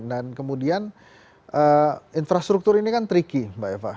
dan kemudian infrastruktur ini kan tricky mbak eva